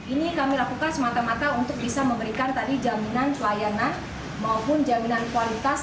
ini kami lakukan semata mata untuk bisa memberikan tadi jaminan pelayanan maupun jaminan kualitas